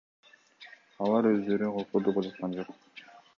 Алар өздөрү коркутуп жаткан жок.